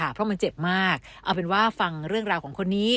เพราะมันเจ็บมากเอาเป็นว่าฟังเรื่องราวของคนนี้